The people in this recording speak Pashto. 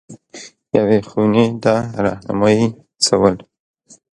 یوې خونې ته رهنمايي شول.